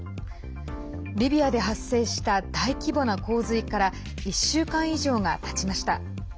リビアで発生した大規模な洪水から１週間以上がたちました。